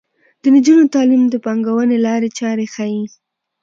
د نجونو تعلیم د پانګونې لارې چارې ښيي.